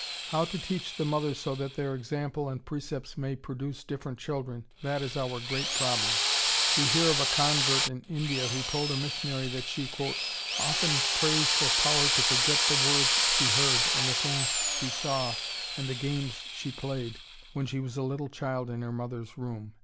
How to teach the mothers so that their example and precepts may produce different children, that is our great problem. We hear of a convert in India who told a missionary that she "often prays for power to forget the words she heard and the things she saw and the games she played when she was a little child in her mother's room."